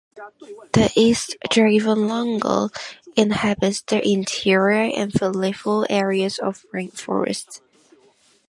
The East Javan langur inhabits the interior and peripheral areas of rainforests.